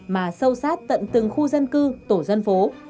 mà sâu sát tận từng khu dân cư tổ dân phố